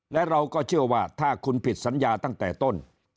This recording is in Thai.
และเราก็เชื่อว่าถ้าคุณผิดสัญญาตั้งแต่ต้น